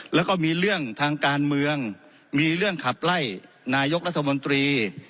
แล้วก็มีเรื่องทางการเมืองมีเรื่องขับไล่นายกรัฐมนตรี